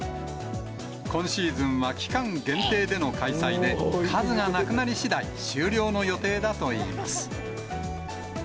今シーズンは期間限定での開催で、数がなくなりしだい終了の予定だといいます。